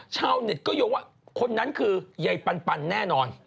ชาวเน็ตก็ยงว่าคนนั้นคือยายปันแน่นอน